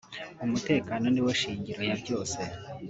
umutekano niwo shingiro ya byose